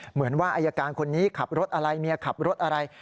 เหมือนว่าอายการคนนี้ขับรถอะไรเมียขับรถอะไร